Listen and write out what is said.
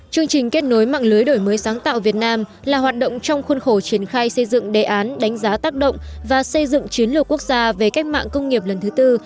chương trình kết nối mạng lưới đổi mới sáng tạo việt nam là hoạt động trong khuôn khổ triển khai xây dựng đề án đánh giá tác động và xây dựng chiến lược quốc gia về cách mạng công nghiệp lần thứ tư